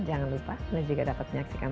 jangan lupa anda juga dapat menyaksikan